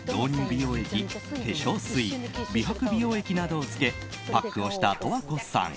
美容液、化粧水美白美容液などを付けパックをした十和子さん。